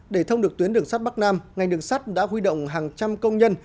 để thông được tuyến đường sắt bắc nam ngành đường sắt đã huy động hàng trăm công nhân